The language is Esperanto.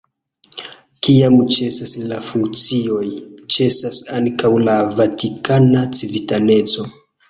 Kiam ĉesas la funkcioj, ĉesas ankaŭ la vatikana civitaneco.